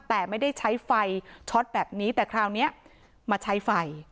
แต่ไม่ได้ใช้ไฟช็อตแบบนี้แต่คราวนี้มาใช้ไฟ